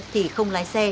thì không lái xe